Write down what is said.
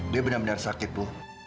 dia benar benar sakit bu